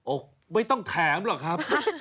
ไม่ต้องแถมหรอกครับ